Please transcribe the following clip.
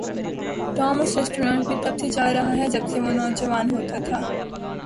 Tom اس ریستوران میں تب سے جا رہا ہے جب سے وہ نوجوان ہوتا تھا۔